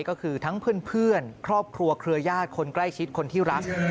ก็คือทั้งเพื่อนครอบครัวเครือญาติคนใกล้ชิดคนที่รัก